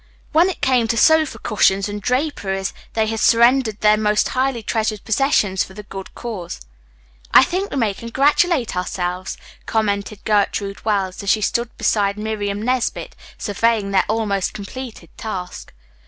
When it came to sofa cushions and draperies they had surrendered their most highly treasured possessions for the good of the cause. "I think we may congratulate ourselves," commented Gertrude Wells as she stood beside Miriam Nesbit, surveying their almost completed task.